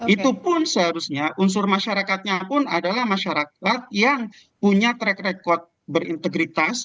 itu pun seharusnya unsur masyarakatnya pun adalah masyarakat yang punya track record berintegritas